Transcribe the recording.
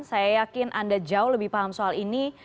saya yakin anda jauh lebih paham soal ini